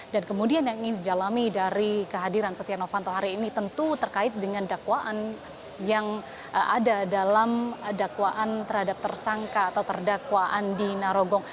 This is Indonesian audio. dan kemudian yang ingin dijalami dari kehadiran setia novanto hari ini tentu terkait dengan dakwaan yang ada dalam dakwaan terhadap tersangka atau terdakwaan di narogong